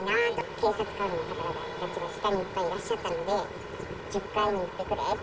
警察官の方がたくさん下にいっぱいいらっしゃったので、１０階に行ってくれって。